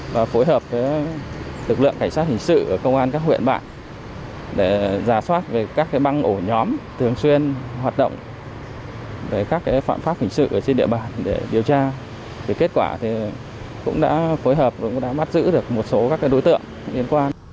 và phối hợp với các đối tượng hình sự trên địa bàn